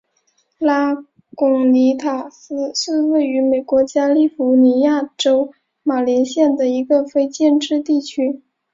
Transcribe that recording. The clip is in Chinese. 拉贡尼塔斯是位于美国加利福尼亚州马林县的一个非建制地区。